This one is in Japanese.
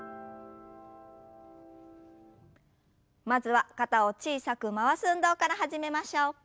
まずは肩を小さく回す運動から始めましょう。